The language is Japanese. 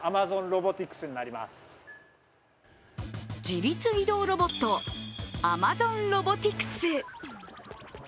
自律移動ロボットアマゾンロボティクス。